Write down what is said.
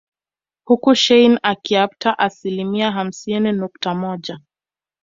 Huku shein akiapta asilimia hamsini nukta moja